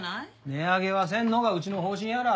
値上げはせんのがうちの方針やら。